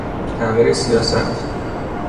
تغییر سیاست